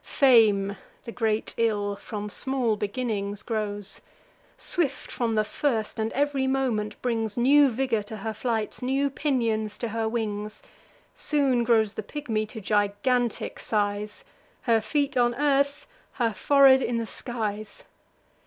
Fame, the great ill, from small beginnings grows: Swift from the first; and ev'ry moment brings New vigour to her flights, new pinions to her wings. Soon grows the pigmy to gigantic size; Her feet on earth, her forehead in the skies.